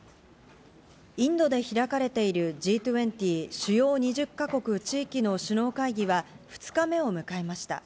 インドで開かれているＧ２０＝主要２０か国・地域の首脳会議は２日目を迎えました。